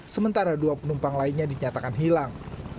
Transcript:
sementara dua penumpang lainnya dinyatakan hilang